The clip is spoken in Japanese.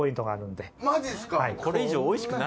マジですか。